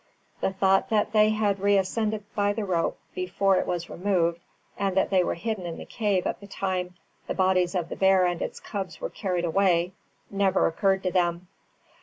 The thought that they had reascended by the rope before it was removed, and that they were hidden in the cave at the time the bodies of the bear and its cubs were carried away, never occurred to them.